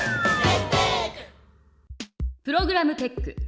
プログラムテック。